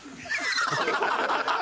ハハハハ！